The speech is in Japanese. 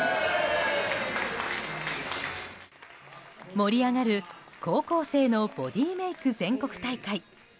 盛り上がる高校生のボディーメイク全国大会。